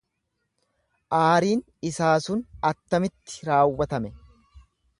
Aariin isaa sun attamitti raawwatame?